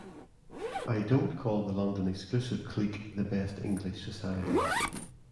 I don't call the London exclusive clique the best English society.